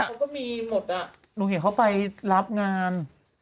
มันก็มีหมดอ่ะหนูเห็นเขาไปรับงาน